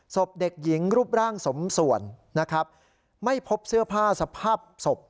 ศพเด็กหญิงรูปร่างสมส่วนนะครับไม่พบเสื้อผ้าสภาพศพ